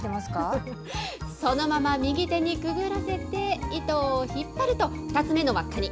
そのまま右手にくぐらせて、糸を引っ張ると、２つ目のわっかに。